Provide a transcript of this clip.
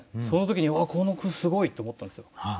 その時に「うわこの句すごい！」って思ったんですよ。